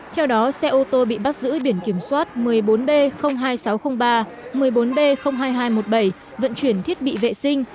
theo đó xe ô tô bị bắt giữ biển kiểm soát một mươi bốn b hai nghìn sáu trăm linh ba một mươi bốn b hai nghìn hai trăm một mươi bảy vận chuyển thiết bị vệ sinh